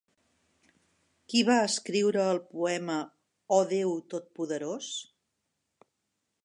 Qui va escriure el poema Oh Déu totpoderós?